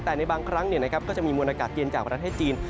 แต่ในบางครั้งก็จะมีมวลอากาศเย็นจากประเทศจีน